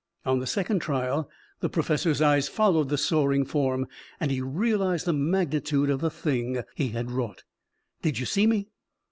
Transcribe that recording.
On the second trial the professor's eyes followed the soaring form. And he realized the magnitude of the thing he had wrought. "Did you see me?"